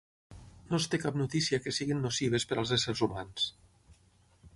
No es té cap notícia que siguin nocives per als éssers humans.